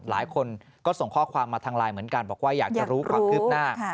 หลายคนก็ส่งข้อความมาทางไลน์เหมือนกันบอกว่าอยากจะรู้ความคืบหน้า